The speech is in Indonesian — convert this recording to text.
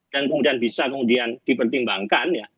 dan kemudian bisa kemudian dipertimbangkan ya